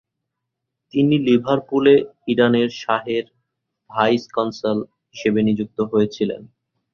তিনি লিভারপুলে ইরানের শাহের ভাইস কনসাল হিসেবে নিযুক্ত হয়েছিলেন।